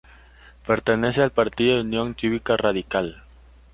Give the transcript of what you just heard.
Pertenece al partido Unión Cívica Radical.